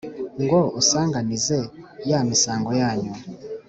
Ngo unsanganize ya misango yanyu